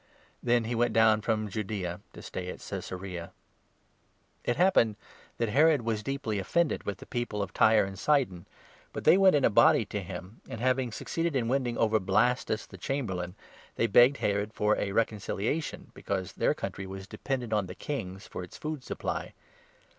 Then he went down from Judaea to stay at Caesarea. Herod'* It happened that Herod was deeply offended 20 Death. with the people of Tyre and Sidon, but they went in a body to him, and, having succeeded in winning over Blastus, the Chamberlain, they begged Herod for a recon ciliation, because their country was dependent on the King's for its food supply.